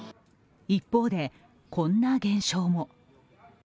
一方で、こんな現象も。